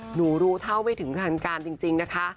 หนูรู้เท่าไม่ถึงทางการจริงนะคะ